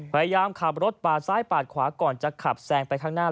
พยายามขับรถปาดซ้ายปาดขวาก่อนจะขับแซงไปข้างหน้า